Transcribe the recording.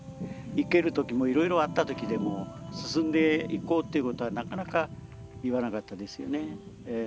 行ける時もいろいろあった時でも進んで行こうということはなかなか言わなかったですよね。